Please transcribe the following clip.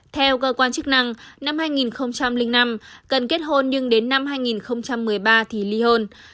theo cơ quan chức năng năm hai nghìn năm cần kết hôn nhưng đến năm hai nghìn một mươi ba thì ly hôn